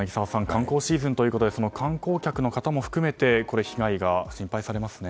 観光シーズンということで観光客の方も含めて被害が心配されますね。